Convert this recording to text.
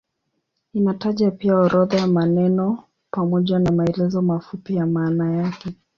Inataja pia orodha ya maneno pamoja na maelezo mafupi ya maana yake.